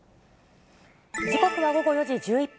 時刻は午後４時１１分。